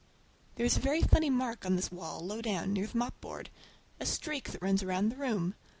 There is a very funny mark on this wall, low down, near the mopboard. A streak that runs round the room.